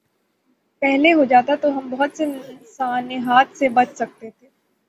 پہلے ہو جاتا تو ہم بہت سے سانحات سے بچ سکتے تھے۔